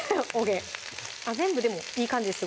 全部でもいい感じです